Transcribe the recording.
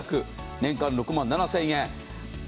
年間６万７０００円。